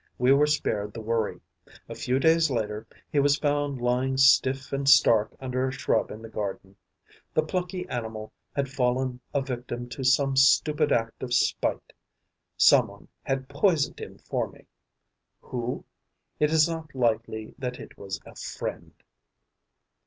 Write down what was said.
We were spared the worry: a few days later, he was found lying stiff and stark under a shrub in the garden. The plucky animal had fallen a victim to some stupid act of spite. Some one had poisoned him for me. Who? It is not likely that it was a friend!